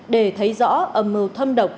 để thấy rõ âm mưu thâm độc